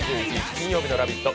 金曜日の「ラヴィット！」